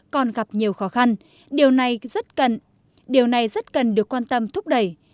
còn gặp nhiều khó khăn điều này rất cần được quan tâm thúc đẩy